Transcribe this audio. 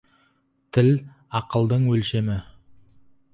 Тіл — ақылдың өлшемі.